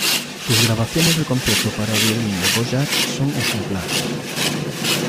Sus grabaciones del Concierto para violín de Dvořák son ejemplares.